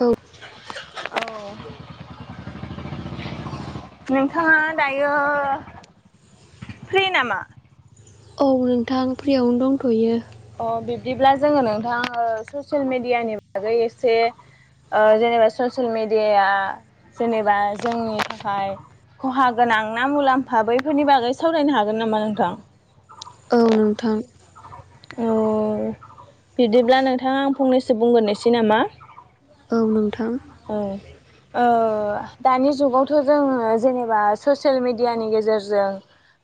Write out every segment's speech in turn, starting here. औ औ [inaudible] नोंथाङा दायो फ्रि नामा औ नोंथां फ्रियावनो दंथयो अ बिब्दिब्ला जोङो नोंथा ओ ससियेल मेडियानि बागै एसे ओ जेनेबा ससियेल मेडियाया जेनेबा जोंनि थाखाय खहा गोनां ना मुलाम्फा बैफोरनि बागै सावरायनो हागोन नामा नोंथां औ नोंथां औ बिदिब्ला नोंथाङा आं फंनैसो बुंग्रोनोसै नामा औ नोंथां औ ओ दानि जुगावथ जोङो जेनेबा ससियेल मेडियानि गेजेरजों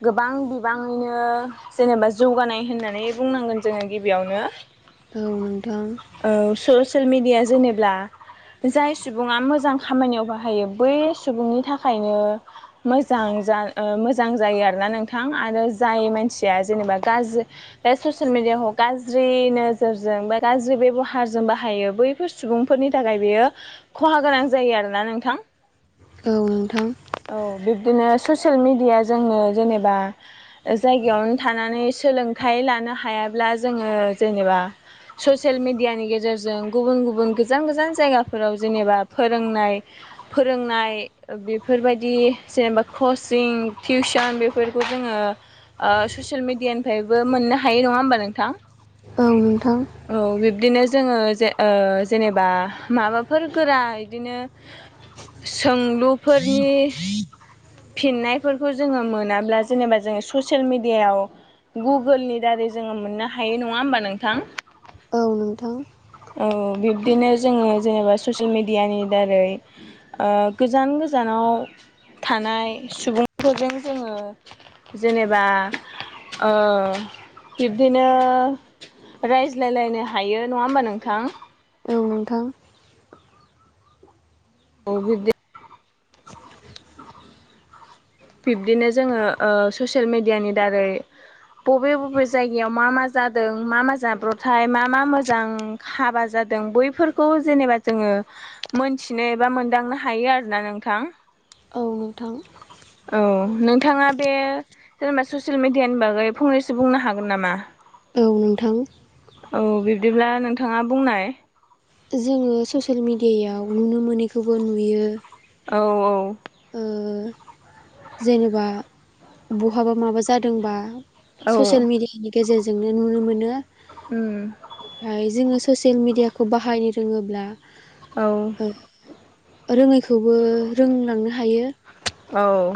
गोबां बिबाङैनो जेनेबा जौगानाय होननानै बुंनांगोन जोङो गिबियावनो औ ससियेल मिडिया जेनेब्ला जाय सुबुङा मोजां खामानियाव बाहायो बै सुबुंनि थाखायनो मोजां जा ओ मोजां जायो आरोना नोंथां आरो जाय मानसिया जेनेबा गाज्रि बे ससियेल मिडियाखौ गाज्रि नोजोरजों बे गाज्रि बेबहारजों बाहायो बैफोर सुबुंफोर नि थाखाय बेयो खहा गोनां जायो आरोना नोंथां औ नोंथां औ बिब्दिनो ससियेल मिडिया जोंनो जेनेबा जायगायावनो थानानै सोलों थाइ लानो हायाब्ला जोङो जेनेबा ससियेल मिडियानि गेजेरजों गुबुन गुबुन गोजान गोजान जायगाफोराव जेनेबा फोरोंनाय फोरोंनाय बेफोरबायदि जेनेबा कचिं टिउसन बेफोरखौ जों ङो ओ ससियेल मिडियानिफायबो मोननो हायो नङा होमबा नोंथां औ नोंथां बिदिनो जोङो जे ओ जेनेबा माबाफोर गोरा बिदिनो सोंलुफोरनि फिननायफोरखौ जोङो मोनाब्ला जेनेबा जोङो ससियेल मिडियायाव गुगोलनि दारै जोङो मोननो हायो नङा होमबा नोंथां औ नोंथां औ बिब्दिनो जोङो जेनेबा ससियेल मेडियानि दारै ओ गोजान गोजान नाव थानाय सुबुंफोरजों जोङो जेनेबा ओ बिब्दिनो रायज्लायलायनो हायो नङा होमबा नोंथां औ नोंथां औ बिदि बिब्दिनो जोङो ओ ससियेल मेडियानि दारै बबे बबे जायगायाव मा मा जादों मा मा जाब्र'थाय मा मा मोजां हाबा जादों बैफोरखौ जेनेबा जोङो मोनथिनो एबा मोनदांनो हायो आरोना नोंथां औ नोंथां औ नोंथाङा बे जेनेबा ससियेल मिडियानि बागै फंनैसो बुंनो हागोन नामा औ नोंथां बिदिब्ला नोंथाङा बुंनाय जोङो ससियेल मिडियायाव नुनो मोनैखौबो नुयो औ औ ओ जेनेबा बहाबा माबा जादोंबा औ ससियेल मिडियानि गेजेरजोंनो नुनो मोनो उम ओमफ्राय जोंङो ससियेल मिडियाखौ बाहायनो रोङोब्ला औ ओ रोङैखौबो रोंलांनो हायो औ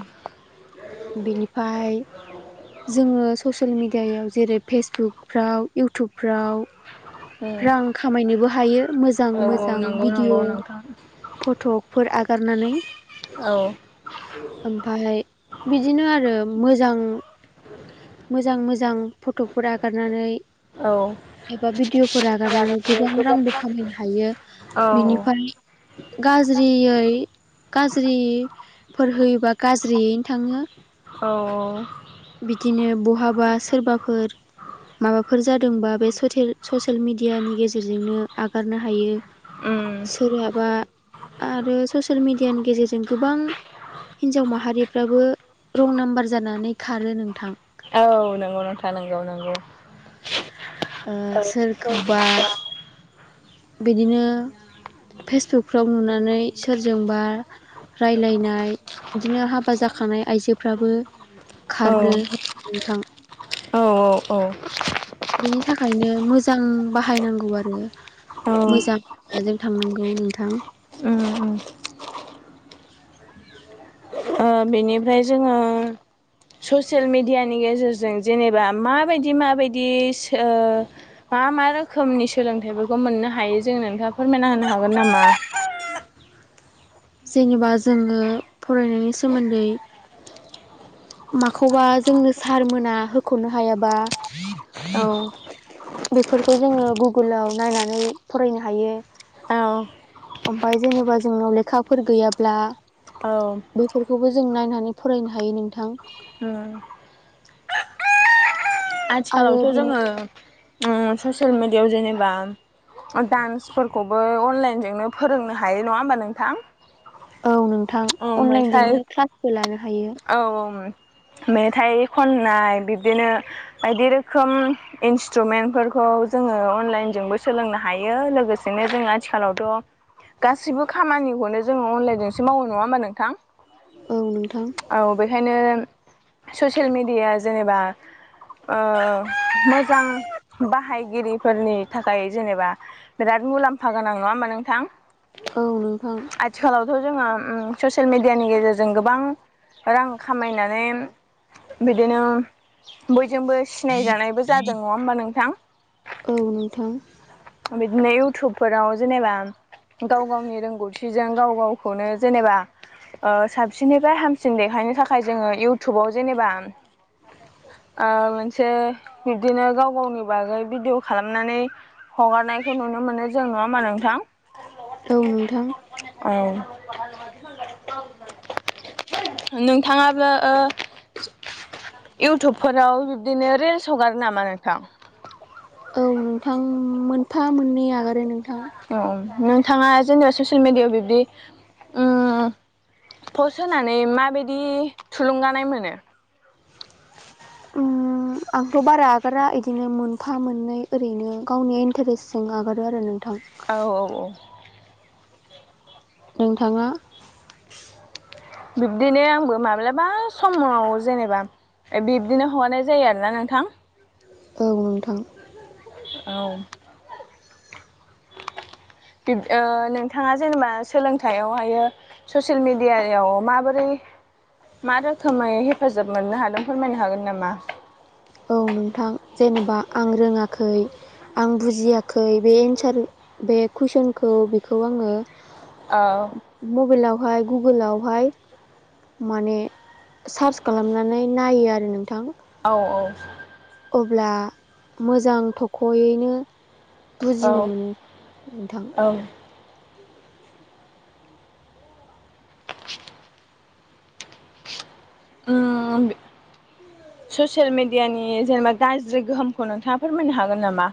बिनिफाय जोङो ससियेल मिडियायाव जेरै फेसबुकफ्राव उम इउटुबफ्राव रां खामायनोबो हायो औ मोजां मोजां नंगौ नंगौ भिडिय' नोंथां फट'फोर आगारनानै औ ओमफाय बिदिनो आरो मोजां मोजां मोजां फट'फोर आगारनानै औ एबा भिडिअफोर आगारनानै गोबां रांबो खामायनो हायो औ बिनिफाय गाज्रियै गाज्रिफोर होयोबा गाज्रियैनो थाङो औ बिदिनो बहाबा सोरबाफोर माबाफोर जादोंबा बे सथेल ससियेल मिडियानि गेजेरजोंनो आगारनो हायो उम सोरहाबा आरो ससियेल मिडियानि गेजेरजों गोबां हिनजाव माहारिफ्राबो रं नाम्बार जानानै खारो नोंथां औ नंगौ नोंथा नंगौ नंगौ ओ सोरखौबा [unintelligible] बिदिनो फेसबुकफ्राव नुनानै सोरजोंबा रायलायनाय बिदिनो हाबा जाखानाय आइजोफ्राबो खारदो ह नोंथां औ औ बेनि थाखायनो मोजां बाहायनांगौ आरो उम मोजां लामाजों थांनांगौ गौनौ नोंथां उम उम ओ बेनिफ्राय जोङो ससियेल मिडियानि गेजेरजों जेनेबा माबायदि माबायदि सो ओ मा मा रोखोमनि सोलोंथाइफोरखौ मोननो हायो जों नोंथाङा फोरमायना होनो हागोन नामा [inaudible] जेनेबा जोङो फरायनायनि सोमोन्दै माखौबा जोंनो सारमोना होख'नो हायाबा औ बेफोरखौ जोङो गुगोलाव नायनानै फरायनो हायो औ ओमफाय जेनेबा जोंनाव लेखाफोर गैयाब्ला औ बेैफोरखौबो जों नायनानै फरायनो हायो नोंथां उम आरो आथिखालावथ' बिनि जोङो ओ ससियेल मिडियायाव जेनेबा ओ दडान्सफोरखौबो अनलाइनजोंनो फोरोंनो हायो नङा होमबा नोंथां औ नोंथां औ मै साय अनलाइनजोंनो क्लासबो लानो हायो औ औ मेथाइ खननाय बिब्दिनो बायदि रोखोम इन्सट्रुमेन्टफोरखौ जों ङो अनलाइनजोंबो सोलोंनो हायो लोगोसेनो जों आथिखालावथ' गासिबो खामानिखौनो जोंङो अनलाइनजों एसे मावो नंङा होमबा नोंथां? औ नोंथां औ बेखायनो ससियेल मिडियाया जेनेबा ओ मोजां बाहाय गिरिफोरनि थाखाय जेनेबा बिराद मुलाम्फा गोनां नंङा होमबा नोंथां? औ नोंथां। जोंङो उम ससियेल मिडियानि गेजेरजों गोबां रां खामायनानै बिदिनो बयजोंबो सिनायजानायबो जादों नंङा होमबा नोंथां? औ नोंथां। बिदिनो इउटुबफोराव जेनेबा गाव गावनि रोंगौथिजों गाव गावखौनो जेनेबा साबसिननिफ्राय ओ हामसिन देखाय बेनि थाखाय जोंङो इउटुबाव जेनेबा [inaudible] ओ मोनसे बिब्दिनो गाव गावनि बागै भिडिअ' खालामनानै हगारनायखौ नुनो मोनो जों नंङा होमबा नोंथां? औ नोंथां औ [unintelligible] नोंथांङाबो ओ इउटुबफोराव बिब्दिनो रिल्स हगारो नामा नोंथां? औ नोंथां मोनफा मोननै आगार औ नोंथांङा जेनेबा ससियेल मिडियायाव बिब्दि उम पस्ट होनानै माबायदि थुलुंगानाय मोनो? उम उम आंथ' बारा आगारा बिदिनो मोनफा मोननै ओरैनो गावनि इन्टारेस्टजों आगारो आरो नों औ औ औ नोंथांङा? बिब्दिनो आंबो माब्लाबा समाव जेनेबा बिब्दिनो हगारनाय जायो आरोना नोंथां। औ नोंथां। औ [inaudible] बिब नोंथांङा जेनेबा सोलोंथाइयावबो ससियेल मिडियायाव माबोरै मा रोखोमै हेफाजाब मोननो हादों फोरमायनो हागोन नामा? औ नोंथां जेनेबा आं रोंङाखै आं बुजियाखै बे एन्सार बे कुइसनखौ बेखौ आंङो औ मबाइलआव हाय गुगोल आावहाय माने सार्च खालामनानै नायो आरो नों औ औ अब्ला मोजां थख'यैनो औ बुजिनो मोनो नोंथां। औ उम ससियेल मिडियानि जेनेबा गाज्रि गोहोमखौ नोंथांङा फोरमायनो हागोन नामा?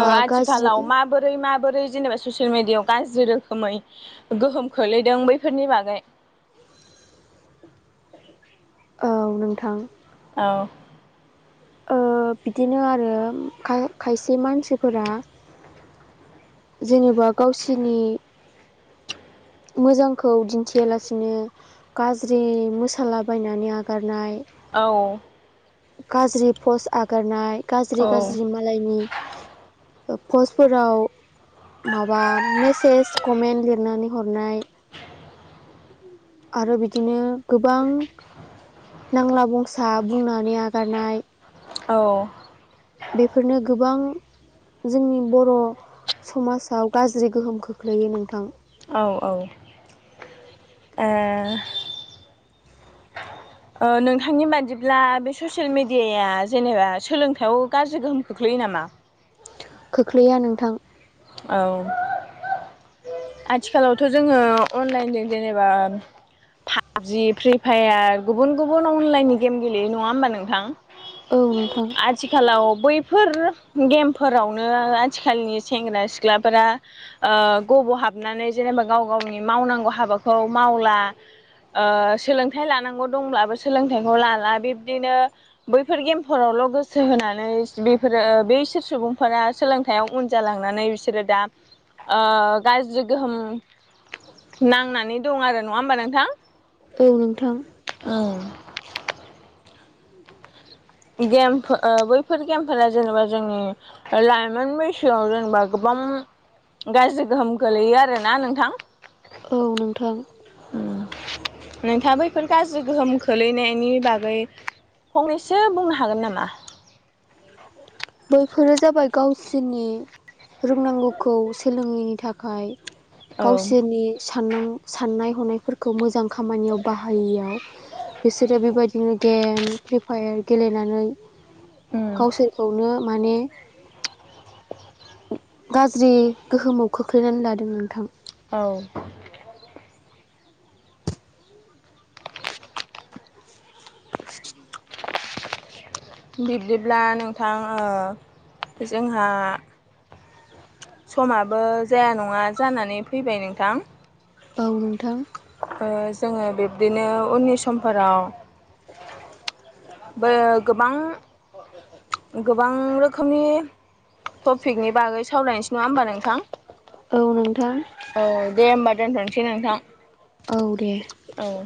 ओ गाज्रि आथिखालाव औ माबोरै माबोरै ब्रै जेबा ससियेल मिडियायाव गाज्रि रोखोमै गोहोम खख्लैदों बैफोरनि बागै [inaudible] औ नोंथां। औ ओ बिदिनो आरो खा-खायसे मानसिफोरा जेनेबा गावसिनि मोजांखौ दिन्थियालासिनो गाज्रि मोसाला बायनानै आगारनाय औ गाज्रि पस आगारनाय औ गाज्रि-गाज्रि मालायनि पस्टफोराव माबा मेसेज कमेन्ट लिरनानै हरनाय आरो बिदिनो गोबां नांला बंसा बुंनानै आगारनाय औ बेफोरनो गोबां जोंनि बर' समाजाव गाज्रि गोहोम खोख्लैयो नोंथां औ औ ए [unintelligible] ओ नोंथांनि बादिब्ला बे ससियेल मेडियाया जेनेबा सोलोंथाइयाव गाज्रि गोहोम खोख्लैयो नामा खोख्लैया नोंथां औ आथिखालावथ' जोङो अनलाइनजों जेनेबा पाबजि फ्रि फायार गुबुन गुबुन अनलाइननि गेम गेलेयो नङा होमबा नोंथां औ नोंथां आथिखालाव बै बैफोर गेम फोरावनो आथिखालनि सेंग्रा सिख्लाफोरा ओ गब' हा हाबनानै जेनेबा गाव गावनि मावनांगौ हाबाखौ मावला ओ सोलोंथाइ लानांगौ दंब्लाबो सोलोंथाइखौ लाला बिब्दिनो बैफोर गेमफोरावल' गोसो होनानै बेफोरो बेैसोर सुबुंफोरा सोलोंथाइयाव उन जालांनानै बिसोरो दा ओ गाज्रि गोहोम नांनानै दं आरो नङा होमबा नोंथां औ नोंथां गेम ओ बैफोर गेमफोरा जेनेबा जोंनि लाइमोन बैसोआव जेनेबा गोबां उम गाज्रि गोहोम गोलैयो आरोना नोंथां औ नोंथां उम नोंथांङा बैफोर गाज्रि गोहोम खोलैनायनि बागै फंनैसो बुंनो हागोन नामा बेफोरो जाबाय गावसोरनि रोंनांगौखौ सोलोङैनि थाखाय औ गावसोरनि सानां साननाय हनायफोरखौ मोजां खामानियाव बाहायियाव बिसोरो बेबायदिनो गेम फ्रि फायार गेलेनानै गावसोरखौनो माने गाज्रि गोहोमाव खोख्लैनानै लादों नोंथां औ [unintelligible] बिब्दिब्ला नोंथां ओ जोंहा समाबो जाया नङा जानानै फैबाय नोंथां औ नोंथां ओ जोङो बिब्दिनो उननि समफोराव बो गोबां गोबां रोखोमनि टपिकनि बागै सावलायनोसै नङा होमबा नोंथां औ नोंथां औ दे होमबा दोनथ'सै नोंथां औ दे औ